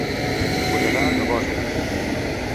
Vull anar a Gósol